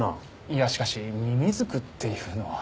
いやしかしみみずくっていうのは。